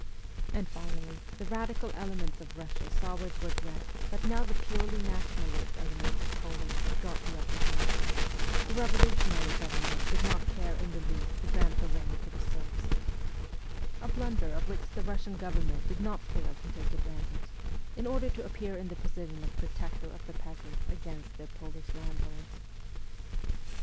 And finally, the radical elements of Russia saw with regret that now the purely nationalist elements of Poland had got the upper hand, the revolutionary government did not care SIBERIA 205 in the least to grant the land to the serfs a blunder of which the Kussian government did not fail to take advantage, in order to appear in the position of pro tector of the peasants against their Polish landlords.